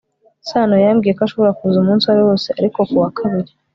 sano yambwiye ko ashobora kuza umunsi uwo ari wo wose ariko ku wa kabiri